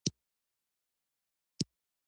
سپورت د ښوونې یوه برخه ده.